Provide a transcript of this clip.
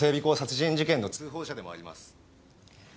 工殺人事件の通報者でもあります。